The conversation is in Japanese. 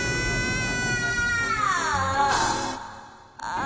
ああ！